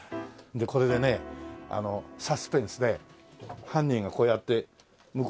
これでねサスペンスで犯人がこうやって向こうでやってるのよ。